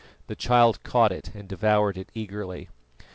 The child caught it, and devoured it eagerly.